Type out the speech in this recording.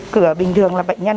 cửa bình thường là bệnh nhân